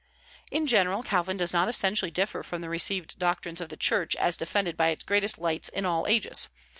In general, Calvin does not essentially differ from the received doctrines of the Church as defended by its greatest lights in all ages.